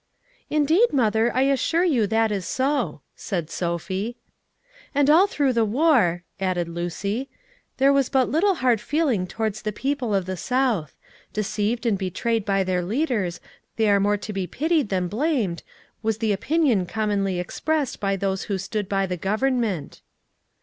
"Indeed, mother, I assure you that is so," said Sophie. "And all through the war," added Lucy, "there was but little hard feeling towards the people of the South; 'deceived and betrayed by their leaders, they are more to be pitied than blamed,' was the opinion commonly expressed by those who stood by the government."